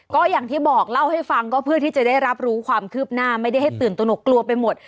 ก็อย่างที่บอกเล่าให้ฟังก็เพื่อที่จะได้รับรู้ความคืบหน้าไม่ได้ให้ตื่นตนกกลัวไปหมด